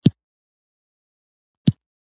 وسله والو پر ټانګونو راکټ نه وواهه.